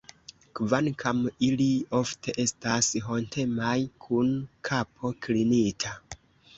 Kvankam ili ofte estas hontemaj, kun kapo klinita.